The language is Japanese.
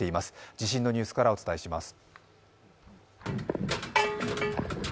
地震のニュースからお伝えします。